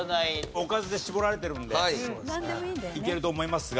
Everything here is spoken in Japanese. おかずで絞られてるんでいけると思いますが。